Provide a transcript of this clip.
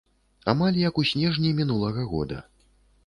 Амаль як у снежні мінулага года.